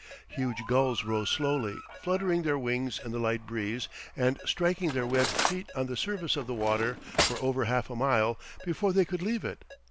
Huge gulls rose slowly, fluttering their wings in the light breeze and striking their webbed feet on the surface of the water for over half a mile before they could leave it.